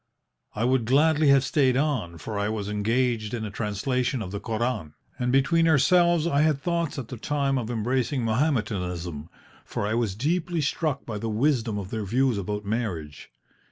I would gladly have stayed on, for I was engaged in a translation of the Koran, and between ourselves I had thoughts at the time of embracing Mahometanism, for I was deeply struck by the wisdom of their views about marriage.